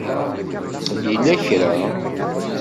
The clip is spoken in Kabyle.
Yella kra?